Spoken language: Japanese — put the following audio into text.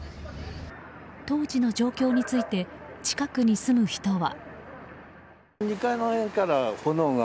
当時の状況について近くに住む人は。